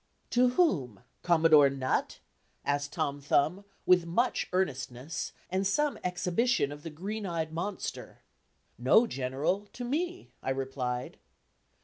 "To whom Commodore Nutt?" asked Tom Thumb, with much earnestness, and some exhibition of the "green eyed monster." "No, General, to me," I replied.